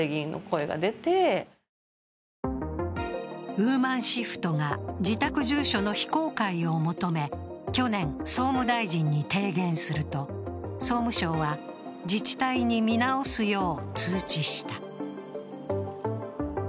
ＷＯＭＡＮＳＨＩＦＴが自宅住所の非公開を求め、去年、総務大臣に提言すると総務省は自治体に見直すよう通知した。